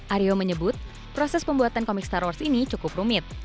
aryo menyebut proses pembuatan komik star wars ini cukup rumit